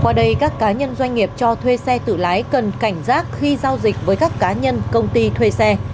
qua đây các cá nhân doanh nghiệp cho thuê xe tự lái cần cảnh giác khi giao dịch với các cá nhân công ty thuê xe